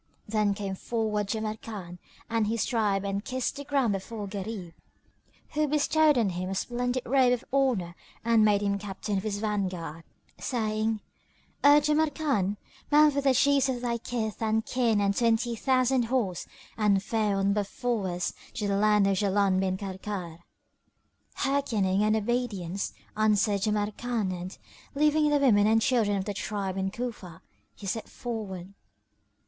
Then came forward Jamrkan and his tribe and kissed the ground before Gharib, who bestowed on him a splendid robe of honour and made him captain of his vanguard, saying, "O Jamrkan, mount with the Chiefs of thy kith and kin and twenty thousand horse and fare on before us to the land of Jaland bin Karkar." "Hearkening and obedience," answered Jamrkan and, leaving the women and children of the tribe in Cufa, he set forward.